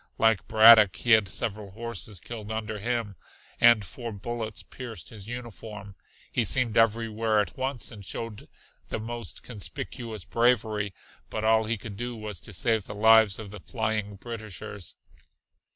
Like Braddock, he had several horses killed under him, and four bullets pierced his uniform. He seemed everywhere at once and showed the most conspicuous bravery, but all he could do was to save the lives of the flying Britishers.